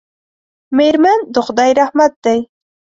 میرمن د خدای رحمت دی.